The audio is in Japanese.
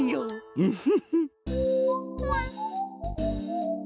ウフフ。